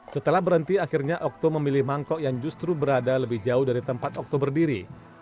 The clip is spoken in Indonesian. setelah berhenti akhirnya okto memilih mangkok yang justru berada lebih jauh dari tempat okto berdiri